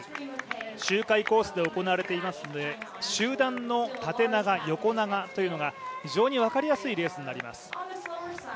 周回コースで行われていますので集団の縦長、横長というのが非常に分かりやすいレースになります。